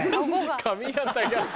髪形が。